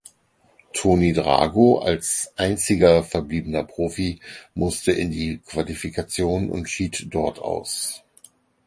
Tony Drago als einziger verbliebener Profi musste in die Qualifikation und schied dort aus.